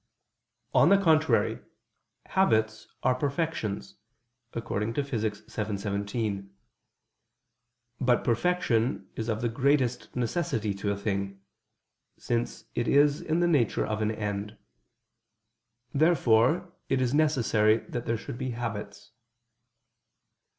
On the contrary, Habits are perfections (Phys. vii, text. 17). But perfection is of the greatest necessity to a thing: since it is in the nature of an end. Therefore it is necessary that there should be habits.